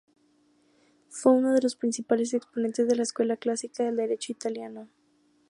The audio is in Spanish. Fue uno de los principales exponentes de la Escuela Clásica del derecho italiano.